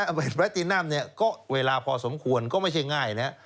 บริเวณประตูน้ำเนี่ยก็เวลาพอสมควรก็ไม่ใช่ง่ายนะ